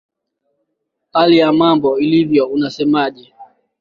hali ya mambo ilivyo unasemaje